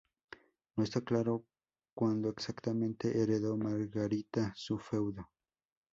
No está claro cuándo exactamente heredó Margarita su feudo.